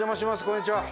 こんにちは。